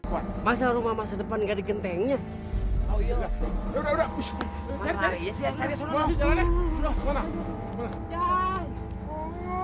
hai masalah rumah masa depan gak di gentengnya oh iya udah udah udah udah